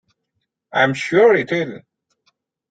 I'm sure it will.